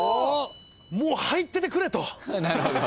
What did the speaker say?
もう入っててくれと。